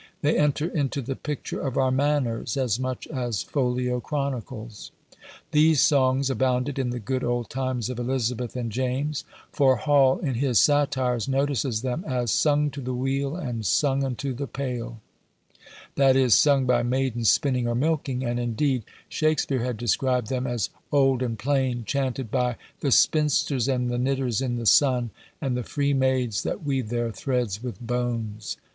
They enter into the picture of our manners, as much as folio chronicles. These songs abounded in the good old times of Elizabeth and James; for Hall in his Satires notices them as Sung to the wheel, and sung unto the payle; that is, sung by maidens spinning, or milking; and indeed Shakspeare had described them as "old and plain," chanted by The spinsters, and the knitters in the sun, And the free maids that weave their threads with bones.